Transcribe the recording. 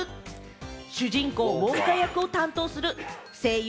主人公・ウォンカ役を担当する声優